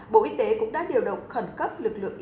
bộ y tế cũng đã điều động khẩn cấp lực lượng